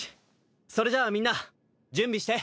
それじゃあみんな準備して！